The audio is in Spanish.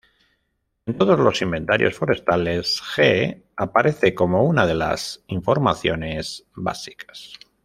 En todos los inventarios forestales, G aparece como una de las informaciones básicas.